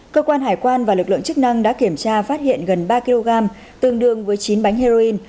cơ quan hải quan và lực lượng chức năng đã kiểm tra phát hiện gần ba kg tương đương với chín bánh heroin